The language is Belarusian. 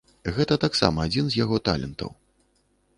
І гэта таксама адзін з яго талентаў.